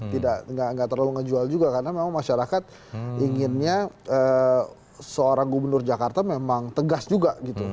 tidak terlalu ngejual juga karena memang masyarakat inginnya seorang gubernur jakarta memang tegas juga gitu